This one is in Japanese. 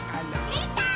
できたー！